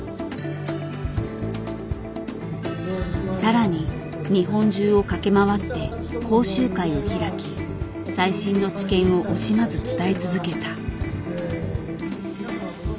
更に日本中を駆け回って講習会を開き最新の知見を惜しまず伝え続けた。